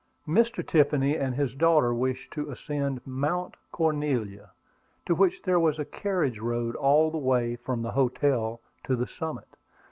Mr. Tiffany and his daughter wished to ascend Mount Cornelia, to which there was a carriage road all the way from the hotel to the summit.